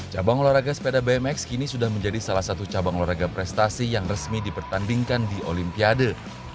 cabang olahraga sepeda bmx kini sudah menjadi salah satu cabang olahraga prestasi yang resmi dipertandingkan di olimpiade